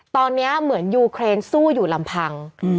ตอนนี้เหมือนยูเครนสู้อยู่ลำพัง